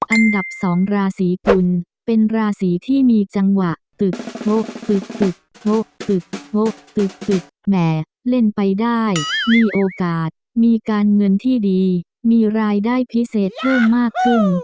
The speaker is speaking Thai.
อันดับ๒ราศีกุลเป็นราศีที่มีจังหวะตึกโพะตึกโทะตึกพกตึกแหมเล่นไปได้มีโอกาสมีการเงินที่ดีมีรายได้พิเศษเพิ่มมากขึ้น